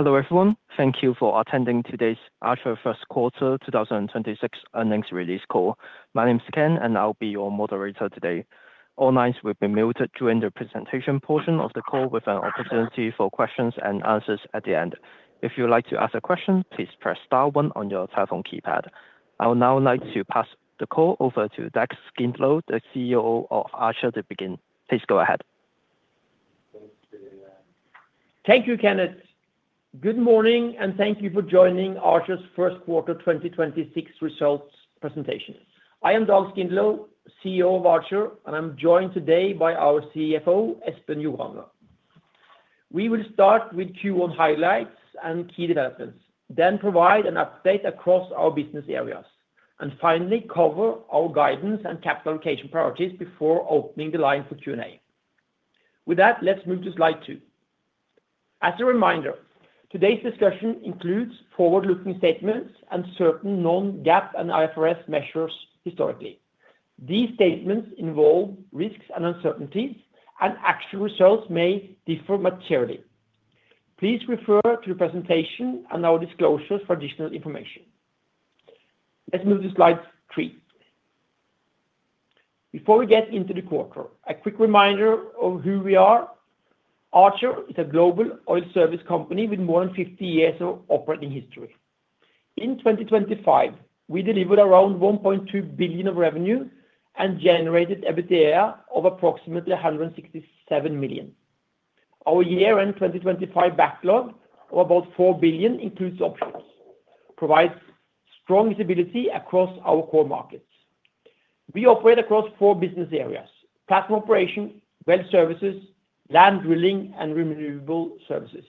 Hello, everyone. Thank you for attending today's Archer first quarter 2026 earnings release call. My name is Ken, and I'll be your moderator today. All lines will be muted during the presentation portion of the call with an opportunity for questions-and-answers at the end. If you would like to ask a question, please press star one on your telephone keypad. I would now like to pass the call over to Dag Skindlo, the CEO of Archer, to begin. Please go ahead. Thank you, Kenneth. Good morning, and thank you for joining Archer's first quarter 2026 results presentation. I am Dag Skindlo, CEO of Archer, and I'm joined today by our CFO, Espen Joranger. We will start with Q1 highlights and key developments, then provide an update across our business areas, and finally, cover our guidance and capital allocation priorities before opening the line for Q&A. With that, let's move to slide two. As a reminder, today's discussion includes forward-looking statements and certain non-GAAP and IFRS measures historically. These statements involve risks and uncertainties, and actual results may differ materially. Please refer to the presentation and our disclosures for additional information. Let's move to slide three. Before we get into the quarter, a quick reminder of who we are. Archer is a global oil service company with more than 50 years of operating history. In 2025, we delivered around $1.2 billion of revenue and generated EBITDA of approximately $167 million. Our year-end 2025 backlog of about $4 billion includes options, provides strong visibility across our core markets. We operate across four business areas: platform operation, well services, land drilling, and renewable services,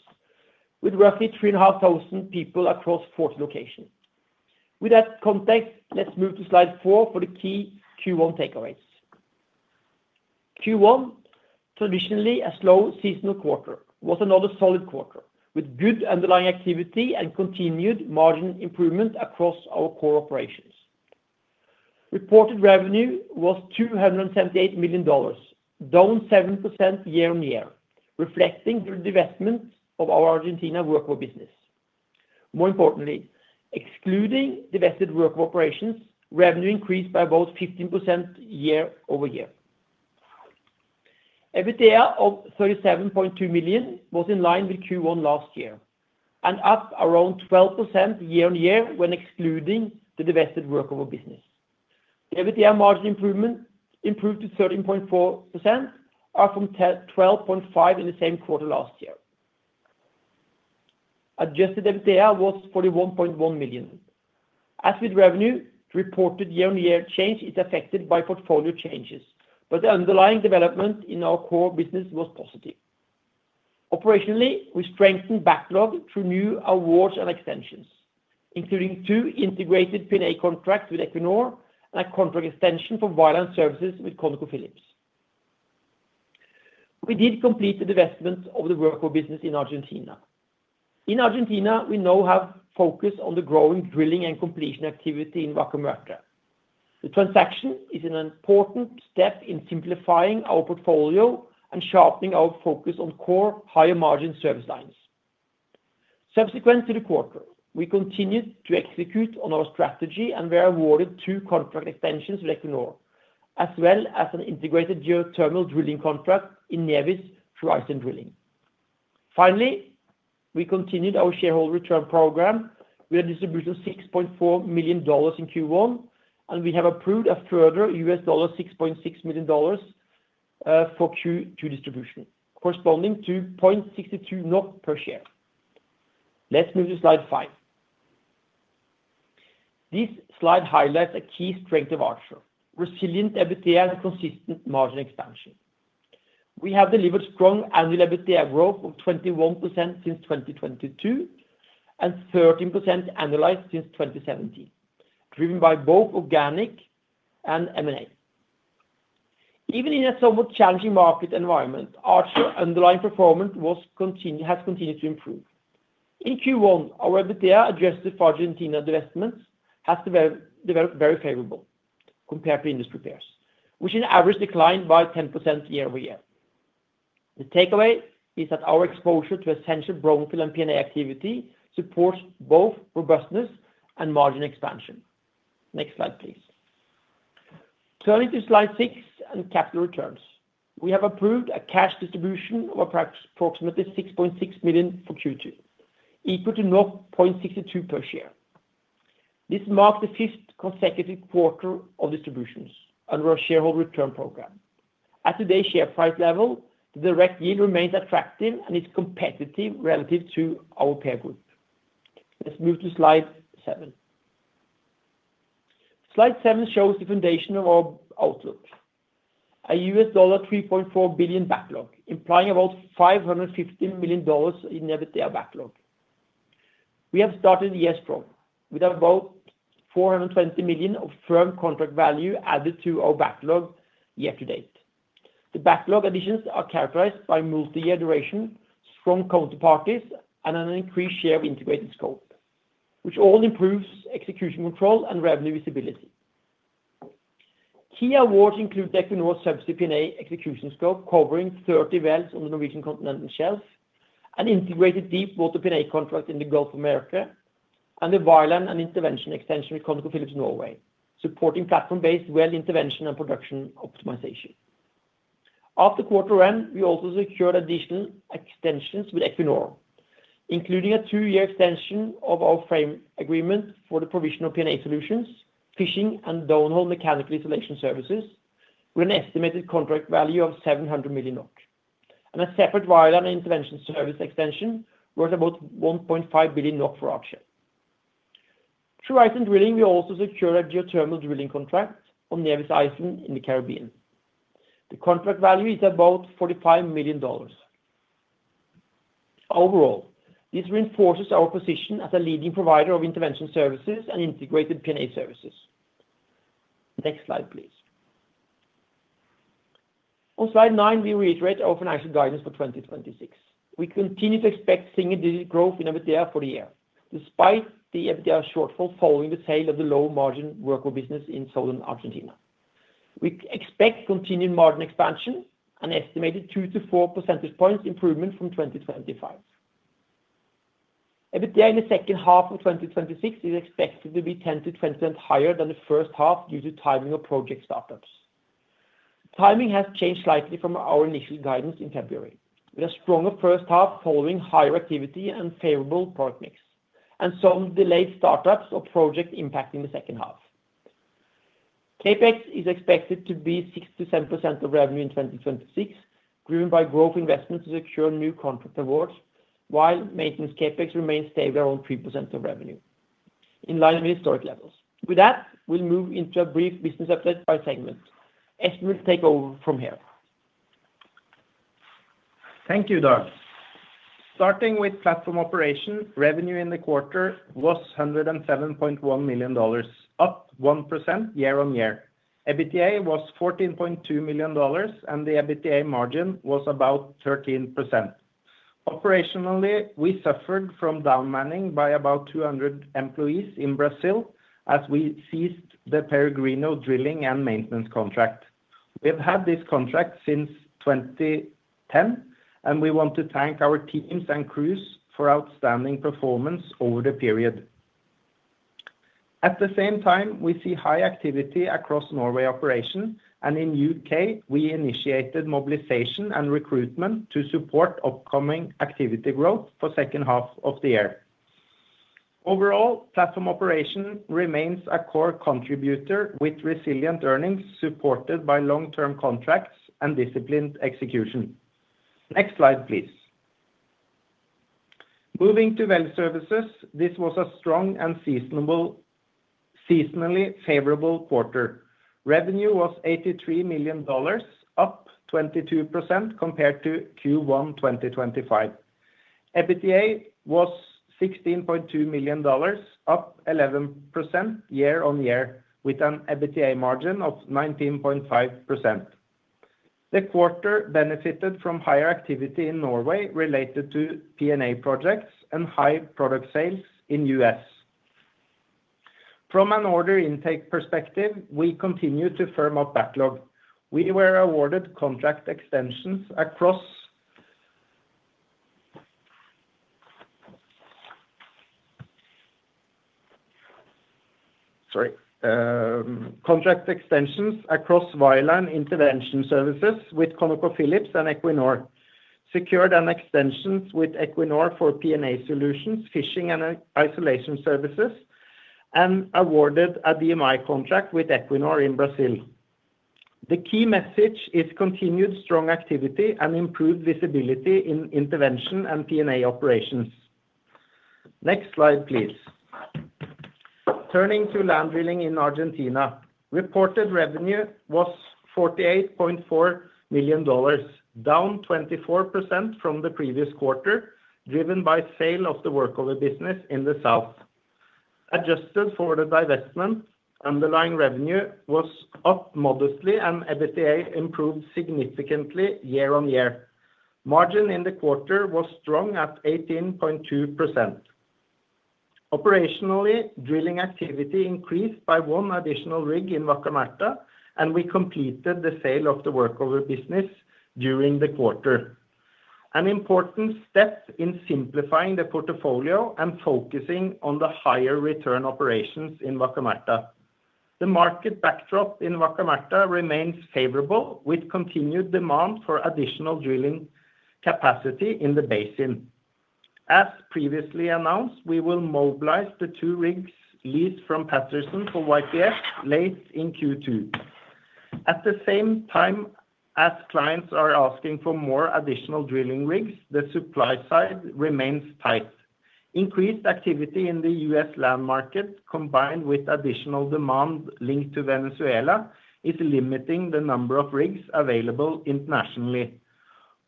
with roughly 3,500 people across 40 locations. With that context, let's move to slide four for the key Q1 takeaways. Q1, traditionally a slow seasonal quarter, was another solid quarter, with good underlying activity and continued margin improvement across our core operations. Reported revenue was $278 million, down 7% year-on-year, reflecting the divestment of our Argentina workover business. More importantly, excluding divested workover operations, revenue increased by about 15% year-over-year. EBITDA of $37.2 million was in line with Q1 last year and up around 12% year-on-year when excluding the divested workover business. The EBITDA margin improvement improved to 13.4% are from 12.5% in the same quarter last year. Adjusted EBITDA was $41.1 million. As with revenue, reported year-on-year change is affected by portfolio changes, the underlying development in our core business was positive. Operationally, we strengthened backlog through new awards and extensions, including two integrated P&A contracts with Equinor and a contract extension for Wireline Services with ConocoPhillips. We did complete the divestment of the workover business in Argentina. In Argentina, we now have focus on the growing drilling and completion activity in Vaca Muerta. The transaction is an important step in simplifying our portfolio and sharpening our focus on core higher-margin service lines. Subsequent to the quarter, we continued to execute on our strategy and were awarded two contract extensions with Equinor, as well as an integrated geothermal drilling contract in Nevis through Iceland Drilling. We continued our shareholder return program with a distribution of $6.4 million in Q1, and we have approved a further $6.6 million for Q2 distribution, corresponding to 0.62 per share. Let's move to slide five. This slide highlights a key strength of Archer, resilient EBITDA and consistent margin expansion. We have delivered strong annual EBITDA growth of 21% since 2022 and 13% annualized since 2017, driven by both organic and M&A. Even in a somewhat challenging market environment, Archer underlying performance has continued to improve. In Q1, our EBITDA adjusted for Argentina divestments has developed very favorable compared to industry peers, which in average declined by 10% year-over-year. The takeaway is that our exposure to essential brownfield and P&A activity supports both robustness and margin expansion. Next slide, please. Turning to slide six and capital returns. We have approved a cash distribution of approximately $6.6 million for Q2, equal to 0.62 per share. This marks the fifth consecutive quarter of distributions under our shareholder return program. At today's share price level, the direct yield remains attractive and is competitive relative to our peer group. Let's move to slide seven. Slide seven shows the foundation of our outlook, a $3.4 billion backlog, implying about $550 million in EBITDA backlog. We have started the year strong, with about $420 million of firm contract value added to our backlog year-to-date. The backlog additions are characterized by multi-year duration, strong counterparties, and an increased share of integrated scope, which all improves execution control and revenue visibility. Key awards include the Equinor Subsea P&A execution scope covering 30 wells on the Norwegian continental shelf, an integrated deepwater P&A contract in the Gulf of Mexico, and the wireline and intervention extension with ConocoPhillips Norway, supporting platform-based well intervention and production optimization. After quarter end, we also secured additional extensions with Equinor, including a two-year extension of our frame agreement for the provision of P&A solutions, fishing and downhole mechanical isolation services, with an estimated contract value of 700 million NOK, and a separate wireline intervention service extension worth about 1.5 billion NOK for our share. Through Iceland Drilling, we also secured a geothermal drilling contract on Nevis Island in the Caribbean. The contract value is about $45 million. Overall, this reinforces our position as a leading provider of intervention services and integrated P&A services. Next slide, please. On slide nine, we reiterate our financial guidance for 2026. We continue to expect single-digit growth in EBITDA for the year, despite the EBITDA shortfall following the sale of the low-margin workover business in Southern Argentina. We expect continued margin expansion, an estimated 2 to 4 percentage points improvement from 2025. EBITDA in the second half of 2026 is expected to be 10%-20% higher than the first half due to timing of project startups. Timing has changed slightly from our initial guidance in February, with a stronger first half following higher activity and favorable product mix, and some delayed startups or project impact in the second half. CapEx is expected to be 6%-7% of revenue in 2026, driven by growth investments to secure new contract awards, while maintenance CapEx remains stable on 3% of revenue, in line with historic levels. With that, we'll move into a brief business update by segment. Espen will take over from here. Thank you, Dag. Starting with platform operations, revenue in the quarter was $107.1 million, up 1% year-on-year. EBITDA was $14.2 million, and the EBITDA margin was about 13%. Operationally, we suffered from downmanning by about 200 employees in Brazil as we ceased the Peregrino drilling and maintenance contract. We have had this contract since 2010, and we want to thank our teams and crews for outstanding performance over the period. At the same time, we see high activity across Norway operation. In U.K., we initiated mobilization and recruitment to support upcoming activity growth for second half of the year. Overall, platform operation remains a core contributor with resilient earnings supported by long-term contracts and disciplined execution. Next slide, please. Moving to Well Services, this was a strong and seasonally favorable quarter. Revenue was $83 million, up 22% compared to Q1 2025. EBITDA was $16.2 million, up 11% year-on-year with an EBITDA margin of 19.5%. The quarter benefited from higher activity in Norway related to P&A projects and high product sales in the U.S. From an order intake perspective, we continue to firm up backlog. We were awarded contract extensions across wireline intervention services with ConocoPhillips and Equinor, secured an extension with Equinor for P&A solutions, fishing and isolation services, and awarded a DMI contract with Equinor in Brazil. The key message is continued strong activity and improved visibility in intervention and P&A operations. Next slide, please. Turning to land drilling in Argentina, reported revenue was $48.4 million, down 24% from the previous quarter, driven by sale of the workover business in the south. Adjusted for the divestment, underlying revenue was up modestly and EBITDA improved significantly year-on-year. Margin in the quarter was strong at 18.2%. Operationally, drilling activity increased by one additional rig in Vaca Muerta, and we completed the sale of the workover business during the quarter, an important step in simplifying the portfolio and focusing on the higher return operations in Vaca Muerta. The market backdrop in Vaca Muerta remains favorable with continued demand for additional drilling capacity in the basin. As previously announced, we will mobilize the two rigs leased from Patterson for YPF late in Q2. At the same time, as clients are asking for more additional drilling rigs, the supply side remains tight. Increased activity in the U.S. land market, combined with additional demand linked to Venezuela, is limiting the number of rigs available internationally.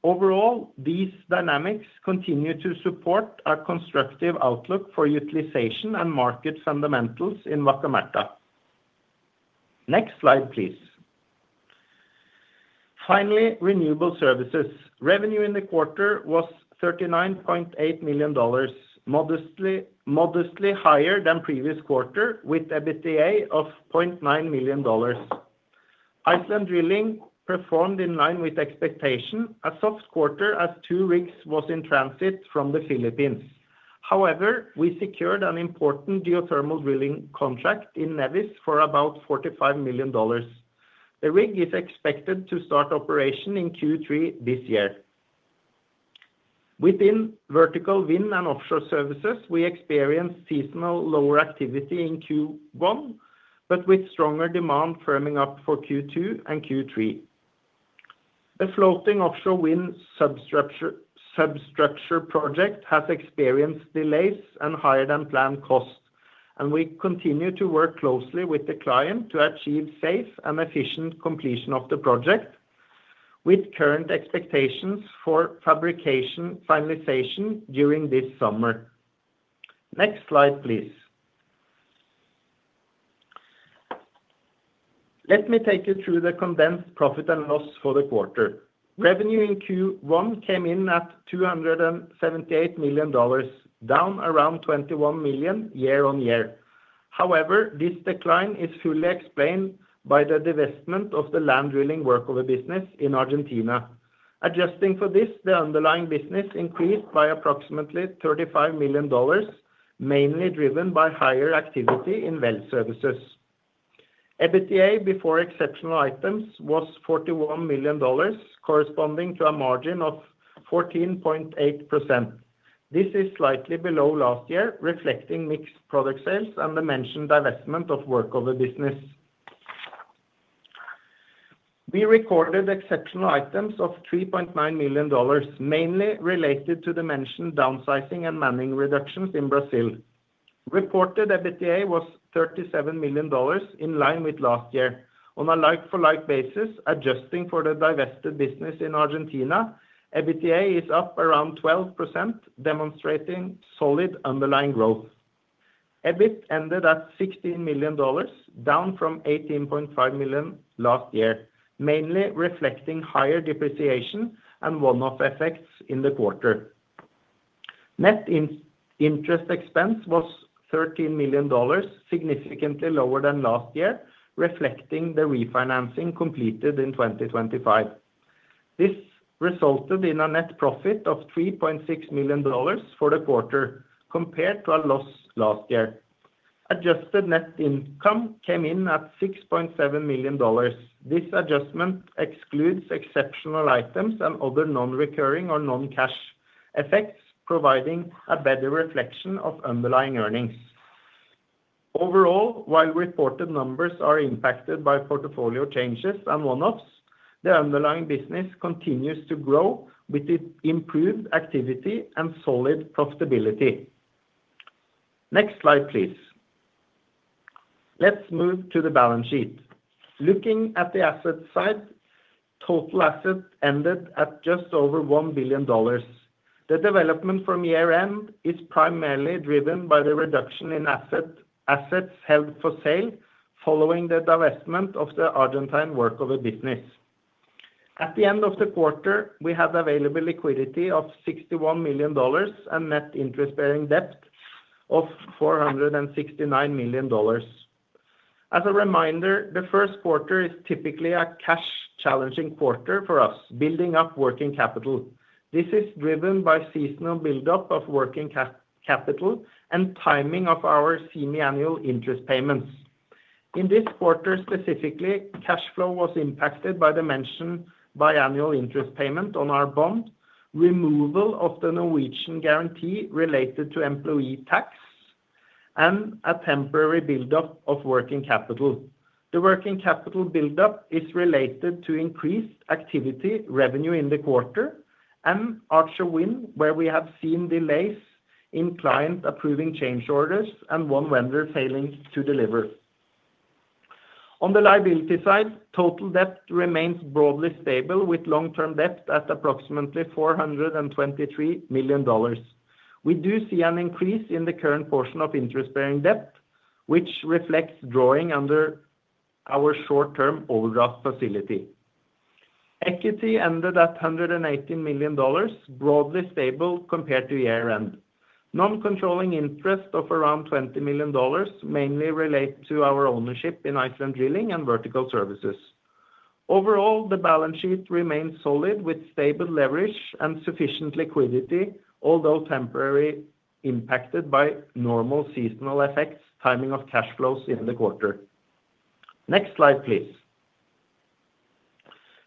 Overall, these dynamics continue to support our constructive outlook for utilization and market fundamentals in Vaca Muerta. Next slide, please. Finally, renewable services. Revenue in the quarter was $39.8 million, modestly higher than previous quarter, with EBITDA of $0.9 million. Iceland Drilling performed in line with expectation, a soft quarter as two rigs was in transit from the Philippines. However, we secured an important geothermal drilling contract in Nevis for about $45 million. The rig is expected to start operation in Q3 this year. Within Vertikal wind and offshore services, we experienced seasonal lower activity in Q1, but with stronger demand firming up for Q2 and Q3. The floating offshore wind substructure project has experienced delays and higher than planned costs, and we continue to work closely with the client to achieve safe and efficient completion of the project, with current expectations for fabrication finalization during this summer. Next slide, please. Let me take you through the condensed profit and loss for the quarter. Revenue in Q1 came in at $278 million, down around $21 million year-on-year. However, this decline is fully explained by the divestment of the land drilling workover business in Argentina. Adjusting for this, the underlying business increased by approximately $35 million, mainly driven by higher activity in well services. EBITDA before exceptional items was $41 million corresponding to a margin of 14.8%. This is slightly below last year, reflecting mixed product sales and the mentioned divestment of workover business. We recorded exceptional items of $3.9 million, mainly related to the mentioned downsizing and manning reductions in Brazil. Reported EBITDA was $37 million in line with last year. On a like-for-like basis, adjusting for the divested business in Argentina, EBITDA is up around 12%, demonstrating solid underlying growth. EBIT ended at $16 million, down from $18.5 million last year, mainly reflecting higher depreciation and one-off effects in the quarter. Net in-interest expense was $13 million, significantly lower than last year, reflecting the refinancing completed in 2025. This resulted in a net profit of $3.6 million for the quarter compared to a loss last year. Adjusted net income came in at $6.7 million. This adjustment excludes exceptional items and other non-recurring or non-cash effects, providing a better reflection of underlying earnings. Overall, while reported numbers are impacted by portfolio changes and one-offs, the underlying business continues to grow with its improved activity and solid profitability. Next slide, please. Let's move to the balance sheet. Looking at the asset side, total assets ended at just over $1 billion. The development from year-end is primarily driven by the reduction in assets held for sale following the divestment of the Argentine workover business. At the end of the quarter, we have available liquidity of $61 million and net interest-bearing debt of $469 million. As a reminder, the first quarter is typically a cash challenging quarter for us, building up working capital. This is driven by seasonal buildup of working capital and timing of our semi-annual interest payments. In this quarter specifically, cash flow was impacted by the mentioned biannual interest payment on our bond, removal of the Norwegian guarantee related to employee tax, and a temporary buildup of working capital. The working capital buildup is related to increased activity revenue in the quarter and Archer Wind, where we have seen delays in client approving change orders and one vendor failing to deliver. On the liability side, total debt remains broadly stable with long-term debt at approximately $423 million. We do see an increase in the current portion of interest-bearing debt, which reflects drawing under our short-term overdraft facility. Equity ended at $118 million, broadly stable compared to year-end. Non-controlling interest of around $20 million mainly relate to our ownership in Iceland Drilling and Vertikal Service. Overall, the balance sheet remains solid with stable leverage and sufficient liquidity, although temporarily impacted by normal seasonal effects, timing of cash flows in the quarter. Next slide, please.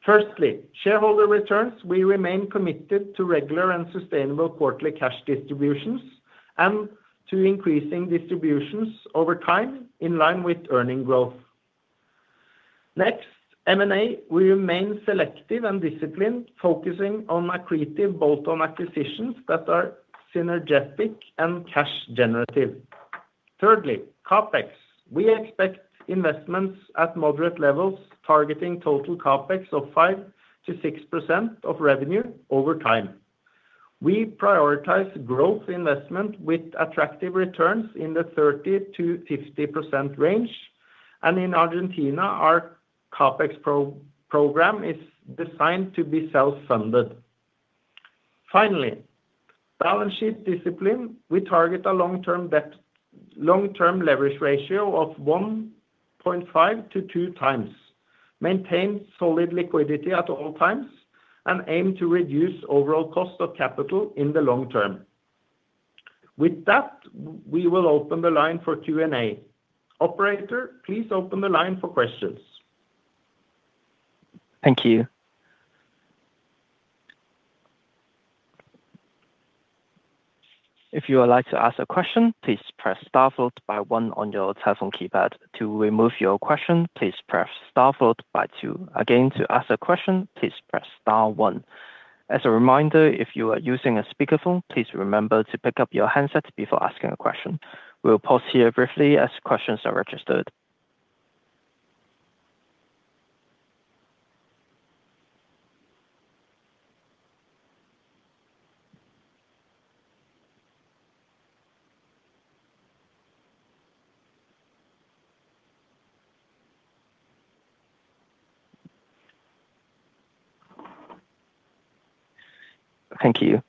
Firstly, shareholder returns. We remain committed to regular and sustainable quarterly cash distributions and to increasing distributions over time in line with earning growth. Next, M&A. We remain selective and disciplined, focusing on accretive bolt-on acquisitions that are synergetic and cash generative. Thirdly, CapEx. We expect investments at moderate levels targeting total CapEx of 5%-6% of revenue over time. We prioritize growth investment with attractive returns in the 30%-50% range. In Argentina, our CapEx pro-program is designed to be self-funded. Finally, balance sheet discipline. We target a long-term debt, long-term leverage ratio of 1.5x-2x, maintain solid liquidity at all times, and aim to reduce overall cost of capital in the long term. With that, we will open the line for Q&A. Operator, please open the line for questions. Thank you. Thank you.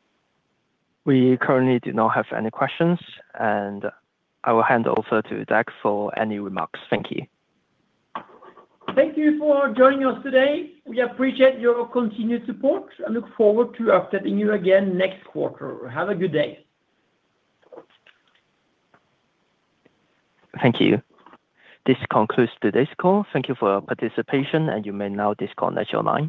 We currently do not have any questions. I will hand over to Dag for any remarks. Thank you. Thank you for joining us today. We appreciate your continued support and look forward to updating you again next quarter. Have a good day. Thank you. This concludes today's call. Thank you for your participation. You may now disconnect your line.